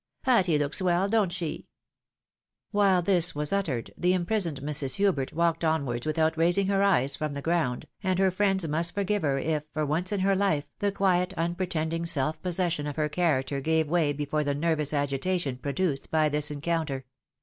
Patty looks well, don't she ?" While this was uttered, the imprisoned Mrs. Plubert walked onwards without raising her eyes from the ground, and her friends must forgive her if, for once in her life, the quiet, unpre tending self possession of her character gave way before the nervous agitation produced by tliis encounter.